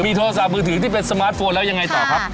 มือถึงที่เป็นสมาร์ทโฟนแล้วยังไงต่อครับ